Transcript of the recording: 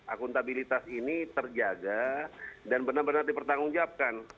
akuntabilitas ini terjaga dan benar benar dipertanggungjawabkan